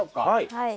はい。